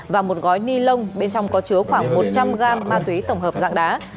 và một gói ni lông bên trong có chứa khoảng một trăm linh gram ma túy tổng hợp dạng đá